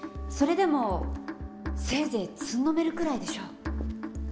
それでもせいぜいつんのめるくらいでしょう。